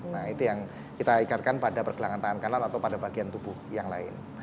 nah itu yang kita ikatkan pada pergelangan tangan kanan atau pada bagian tubuh yang lain